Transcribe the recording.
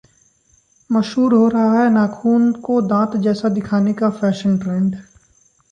मशहूर हो रहा है नाखून को दांत जैसा दिखाने का फैशन ट्रेंड